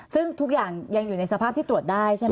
ซึ่งทุกอย่างยังอยู่ในสภาพที่ตรวจได้ใช่ไหม